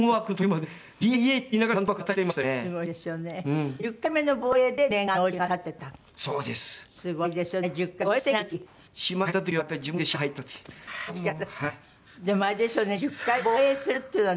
でもあれですよね１０回防衛するっていうのは。